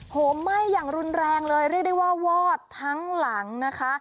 โหมไหม้อย่างรุนแรงเลยเรียกได้ว่าวอดทั้งหลังนะคะ